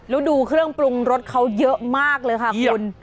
แล้วดูเครื่องปรุงรสเขาเยอะมากเลยค่ะคุณ